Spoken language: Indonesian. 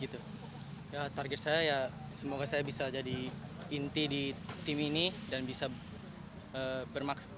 target saya semoga bisa jadi inti di tim ini dan bisa bermakna